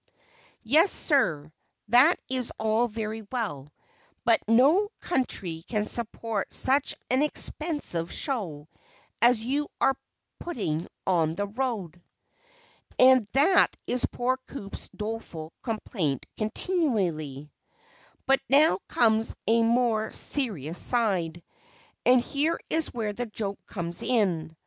"Yes, sir, that is all very well, but no country can support such an expensive show as you are putting on the road." And that is poor Coup's doleful complaint continually. But now comes a more serious side, and here is where the joke comes in.